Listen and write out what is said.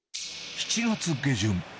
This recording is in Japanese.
７月下旬。